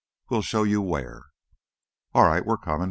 "We'll show you where." "All right. We're comin'."